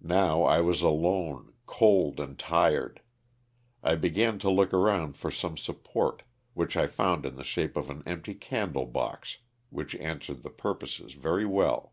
Now I was alone, cold and tired. I began to look around for some support, which I found in the shape of an empty candle box which answered the purpose very well.